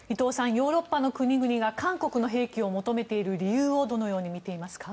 ヨーロッパの国々が韓国の兵器を求めている理由をどのように見ていますか？